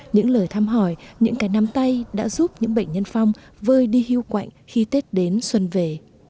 những lời thăm hỏi những cái nắm tay đã giúp những bệnh nhân phong vơi đi hưu quạnh khi tết đến xuân về